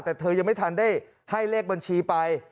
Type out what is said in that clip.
แต่เธอยังไม่ทันได้ให้เลขบัญชีไป